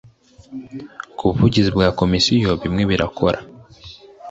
Ku buvugizi bwa Komisiyo bimwe birakora.